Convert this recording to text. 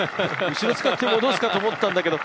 後ろ使って戻すかと思ったんだけど。